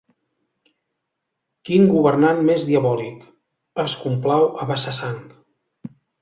Quin governant més diabòlic: es complau a vessar sang.